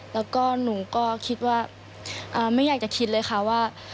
แล้วก็หนูก็คิดว่าไม่อยากจะคิดเลยค่ะว่า